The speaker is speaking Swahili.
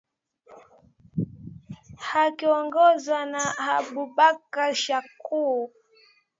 likiongozwa na abubakar shakau